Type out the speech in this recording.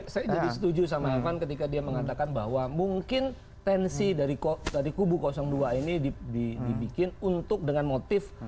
saya jadi setuju sama evan ketika dia mengatakan bahwa mungkin tensi dari kubu dua ini dibikin untuk dengan motif